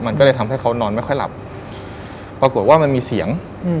มันก็เลยทำให้เขานอนไม่ค่อยหลับปรากฏว่ามันมีเสียงอืม